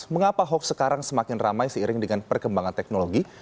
mengapa hoax sekarang semakin ramai seiring dengan perkembangan teknologi